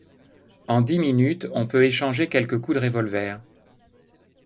En dix minutes, on peut échanger quelques coups de revolver.